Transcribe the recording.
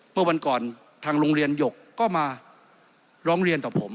เมื่อวันก่อนทางโรงเรียนหยกก็มาร้องเรียนต่อผม